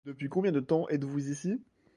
Depuis combien de temps êtes-vous ici?